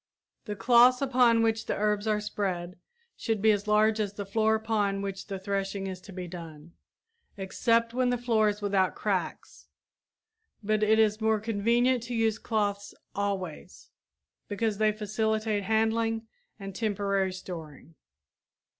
The cloths upon which the herbs are spread should be as large as the floor upon which the threshing is to be done except when the floor is without cracks, but it is more convenient to use cloths always, because they facilitate handling and temporary storing.